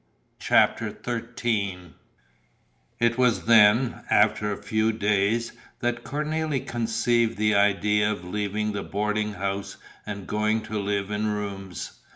CHAPTER XIII It was then, after a few days, that Cornélie conceived the idea of leaving the boarding house and going to live in rooms.